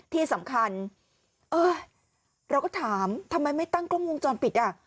ที่สำคัญเออเราก็ถามทำไมไม่ตั้งกล้องวงจรปิดอ่ะ